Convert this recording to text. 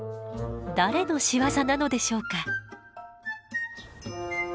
誰の仕業なのでしょうか？